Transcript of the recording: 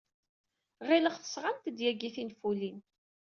Ɣileɣ tesɣamt-d yagi tinfulin.